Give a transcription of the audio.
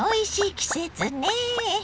季節ね。